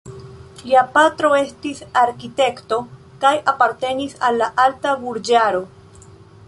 Ilia patro estis arkitekto kaj apartenis al la alta burĝaro.